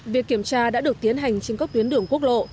việc kiểm tra đã được tiến hành trên các tuyến đường quốc lộ